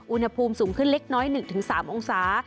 อุณหภูมิสูงขึ้นเล็กน้อย๑๓องศา